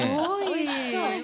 おいしそう。